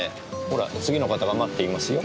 ほら次の方が待っていますよ。